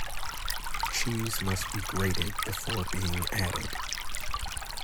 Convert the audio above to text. Cheese must be grated before being added.